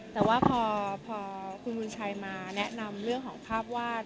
แต่ว่าพอคุณบุญชัยมาแนะนำเรื่องของภาพวาด